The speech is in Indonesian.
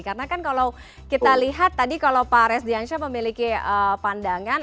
karena kan kalau kita lihat tadi kalau pak resdyansyah memiliki pandangan